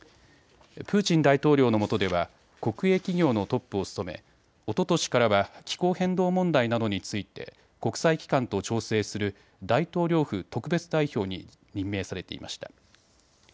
プーチン大統領のもとでは国営企業のトップを務めおととしからは気候変動問題などについて国際機関と調整する大統領府特別代表に任命されていました。